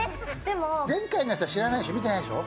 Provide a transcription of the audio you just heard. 前回のやつは知らないでしょ、見てないでしょ？